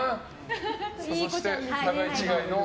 そして、互い違いの。